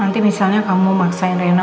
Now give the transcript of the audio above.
nanti misalnya kamu maksain rena